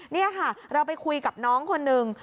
นี่ค่ะเราไปคุยกับน้องคนหนึ่ง